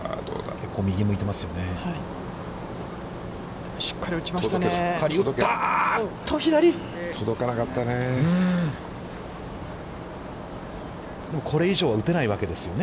結構右を向いてますよね。